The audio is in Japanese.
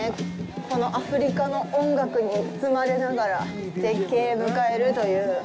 このアフリカの音楽に包まれながら絶景を迎えるという。